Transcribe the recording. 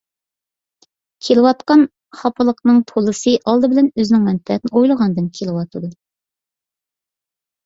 كېلىۋاتقان خاپىلىقنىڭ تولىسى ئالدى بىلەن ئۆزىنىڭ مەنپەئەتىنى ئويلىغاندىن كېلىۋاتىدۇ.